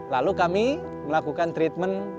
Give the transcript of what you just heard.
lalu kami melakukan treatment